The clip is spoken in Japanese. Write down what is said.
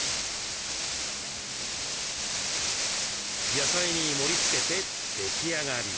野菜に盛りつけて出来上がり。